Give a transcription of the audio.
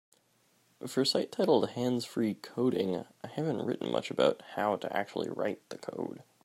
For a site titled Hands-Free Coding, I haven't written much about How To Actually Write The Code.